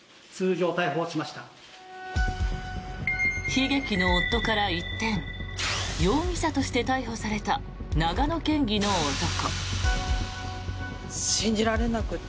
悲劇の夫から一転容疑者として逮捕された長野県議の男。